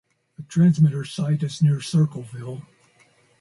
The transmitter site is near Circleville.